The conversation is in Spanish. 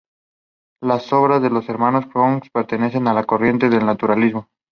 Las obras de los hermanos Goncourt pertenecen a la corriente del naturalismo.